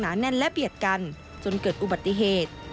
แน่นและเบียดกันจนเกิดอุบัติเหตุ